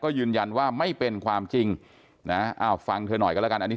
ยืนยันว่าไม่เป็นความจริงนะอ้าวฟังเธอหน่อยก็แล้วกันอันนี้